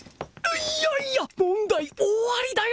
いやいや問題大ありだよ